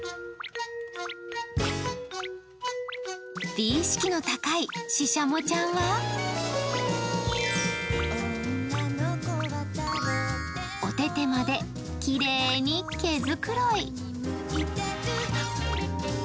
美意識の高いししゃもちゃんはおててまできれいに毛づくろい。